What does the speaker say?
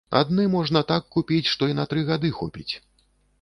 Адны можна так купіць, што і на тры гады хопіць.